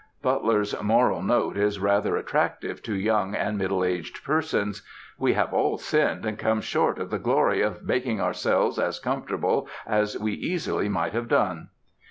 Butler's moral note is rather attractive to young and middle aged persons: "We have all sinned and come short of the glory of making ourselves as comfortable as we easily might have done."